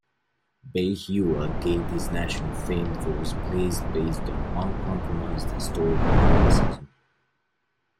Bai Hua gained his national fame for his plays based on uncompromised historical criticism.